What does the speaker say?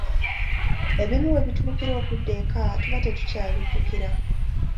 Ebimu we tutuukira okudda eka tuba tetukyabijjukira.